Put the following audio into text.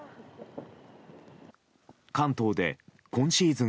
関東で今シーズン